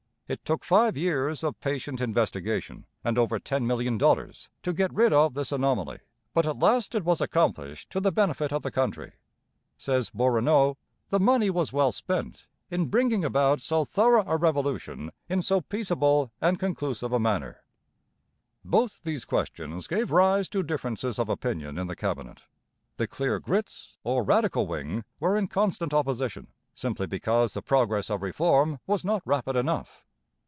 It took five years of patient investigation, and over ten million dollars, to get rid of this anomaly, but at last it was accomplished to the benefit of the country. Says Bourinot, 'The money was well spent in bringing about so thorough a revolution in so peaceable and conclusive a manner.' Both these questions gave rise to differences of opinion in the Cabinet. The Clear Grits, or Radical wing, were in constant opposition, simply because the progress of Reform was not rapid enough.